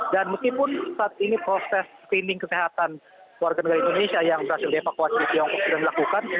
dan meskipun saat ini proses cleaning kesehatan warga negara indonesia yang berhasil di evacuate di tiongkok sudah dilakukan